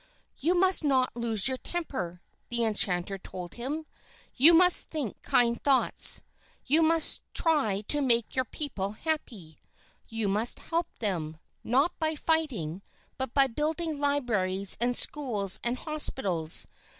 "You must not lose your temper," the enchanter told him. "You must think kind thoughts. You must try to make your people happy. You must help them, not by fighting, but by building libraries and schools and hospitals.